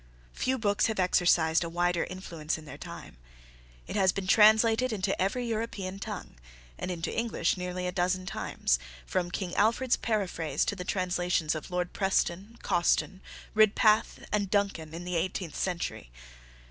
Few books have exercised a wider influence in their time. It has been translated into every European tongue, and into English nearly a dozen times, from King Alfred's paraphrase to the translations of Lord Preston, Causton, Ridpath, and Duncan, in the eighteenth century.